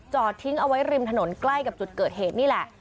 จอดทิ้งเอาไว้ริมถนนใกล้กับจุดเกิดเหตุนี่แหละ